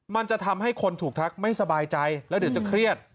มันจะทำให้คนถูกทักไม่สบายใจแล้วเดี๋ยวจะเครียด